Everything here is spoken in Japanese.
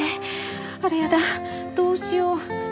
あらやだどうしよう。